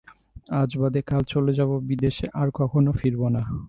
আজ বাদে কাল চলে যাব বিদেশে, আর কখনো ফিরব না।